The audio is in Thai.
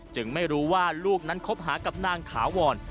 ไม่รู้ว่าลูกนั้นคบหากับนางถาวร